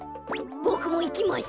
ボクもいきます。